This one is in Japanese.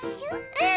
うん！